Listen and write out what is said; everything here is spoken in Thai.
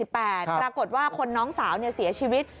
ปรากฏว่าคนน้องสาวเสียชีวิต